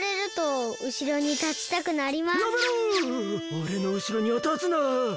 おれのうしろにはたつな！